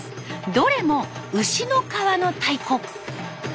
どれも牛の皮の太鼓。